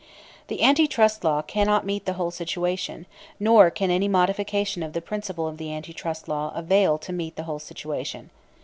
The Anti Trust Law cannot meet the whole situation, nor can any modification of the principle of the Anti Trust Law avail to meet the whole situation.